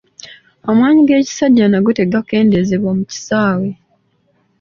Amaanyi g'ekisajja nago tegakendeezebwa mu kisaawe.